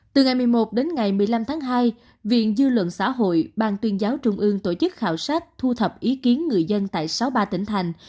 từ ngày một mươi một đến ngày một mươi năm tháng hai viện dư luận xã hội ban tuyên giáo trung ương tổ chức khảo sát thu thập ý kiến người dân tại sáu mươi ba tỉnh thành